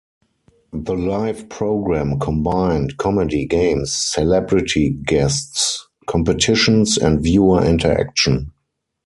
The live programme combined comedy, games, celebrity guests, competitions and viewer interaction.